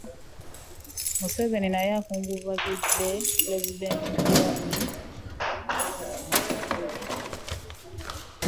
Museveni naye akungubagidde pulezidenti John Pombe Magufuli